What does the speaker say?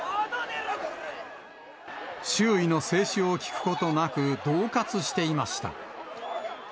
周囲の制止を聞くことなく、どう喝していました。